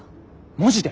マジで？